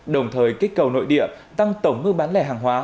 đồng thời kích cầu nội địa tăng tổng mức bán lẻ hàng hóa